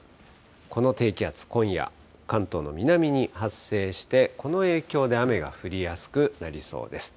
この低気圧、今夜、関東の南に発生して、この影響で雨が降りやすくなりそうです。